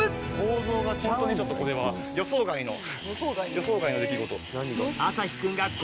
予想外の出来事。